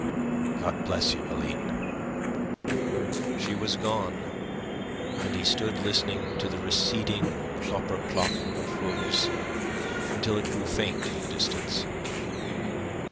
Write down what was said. "God bless you, Aline." She was gone, and he stood listening to the receding clopper clop of hooves until it grew faint in the distance.